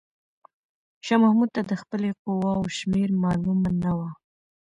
شاه محمود ته د خپلې قواوو شمېر معلومه نه و.